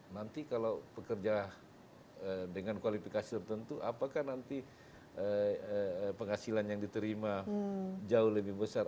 nanti kalau pekerja dengan kualifikasi tertentu apakah nanti penghasilan yang diterima jauh lebih besar